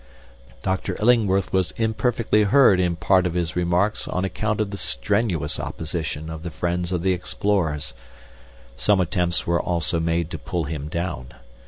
"Dr. Illingworth was imperfectly heard in part of his remarks on account of the strenuous opposition of the friends of the explorers. Some attempts were also made to pull him down.